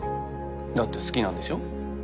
だって好きなんでしょ？